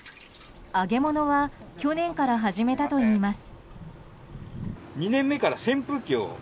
揚げ物は去年から始めたといいます。